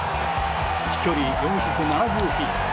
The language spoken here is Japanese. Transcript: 飛距離４７０フィート